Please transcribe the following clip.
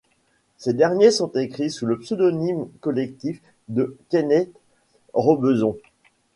Ces derniers sont écrits sous le pseudonyme collectif de Kenneth Robeson.